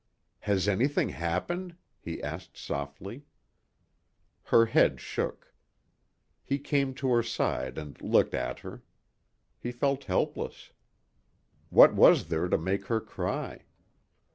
"Has anything happened," he asked softly. Her head shook. He came to her side and looked at her. He felt helpless. What was there to make her cry?